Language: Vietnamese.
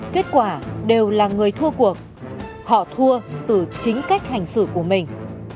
kết quả đều là người thua cuộc họ thua từ chính cách hành xử của mình